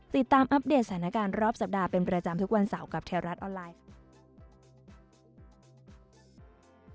ติดตามอัปเดตสถานการณ์รอบสัปดาห์เป็นประจำทุกวันเสาร์กับเทียร์รัฐออนไลน์